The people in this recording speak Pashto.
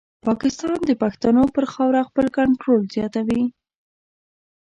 پاکستان د پښتنو پر خاوره خپل کنټرول زیاتوي.